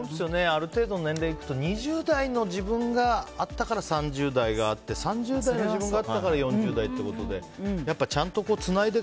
ある程度年齢がいくと２０代の自分があったから３０代があって３０代の自分があったから４０代ということでちゃんとつないで。